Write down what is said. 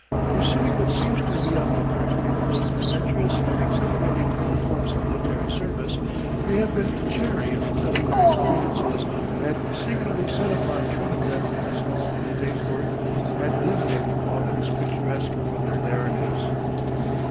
Pursuing what seems to the onlooker to be the most adventurous and exhilarating of all forms of military service, they have been chary of telling their experiences and singularly set upon treating them as all in the day's work and eliminating all that is picturesque from their narratives.